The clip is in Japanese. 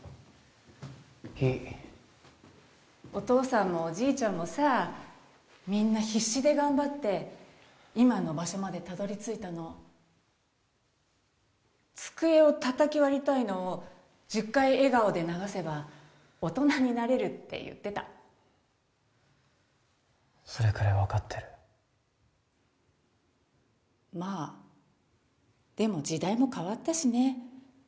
いいお父さんもおじいちゃんもさみんな必死で頑張って今の場所までたどり着いたの机を叩き割りたいのを１０回笑顔で流せば大人になれるって言ってたそれくらい分かってるまあでも時代も変わったしね